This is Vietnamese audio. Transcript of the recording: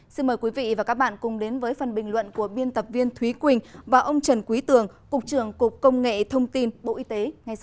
xin mời quý vị và các bạn cùng đến với phần bình luận của biên tập viên thúy quỳnh và ông trần quý tường cục trưởng cục công nghệ thông tin bộ y tế